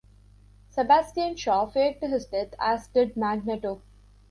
Sebastian Shaw faked his death, as did Magneto.